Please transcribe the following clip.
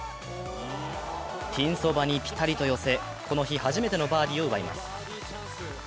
ピンそばにピタリと寄せ、この日初めてのバーディーを奪います。